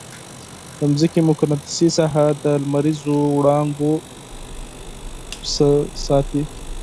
د مځکې مقناطیسي ساحه دا د لمریزو وړانګو څخه ساتي.